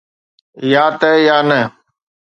يا ته يا نه.